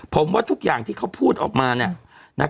ผมว่าทุกอย่างที่เขาพูดออกมาเนี่ยนะครับ